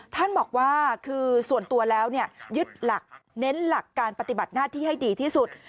ท่านบอกว่าคือส่วนตัวแล้วยึดหลักเน้นหลักการปฏิบัติหน้าที่ให้ดีที่สุด